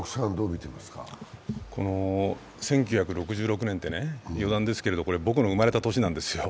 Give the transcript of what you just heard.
１９６６年って、余談ですけど、僕の生まれた年なんですよ。